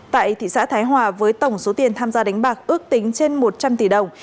tại thị xã thái hòa với tổng số tiền tham gia đánh bạc ước tính trên một trăm linh tỷ đồng